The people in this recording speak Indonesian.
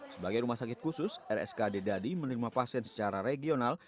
sebagai rumah sakit khusus rskd dadi menerima pasien secara regional